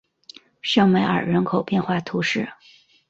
圣梅尔人口变化图示